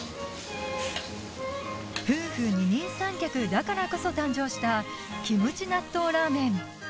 夫婦二人三脚だからこそ誕生したキムチ納豆ラーメン